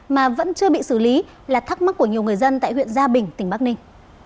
mà vẫn chưa bị xử lý là thắc mắc của nhiều người dân tại huyện gia bình tỉnh bắc ninh